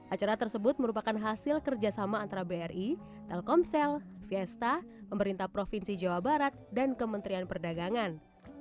acara tersebut merupakan hasil kerjasama antara bri telkomsel fiesta pemerintah provinsi jawa barat dan kementerian perdagangan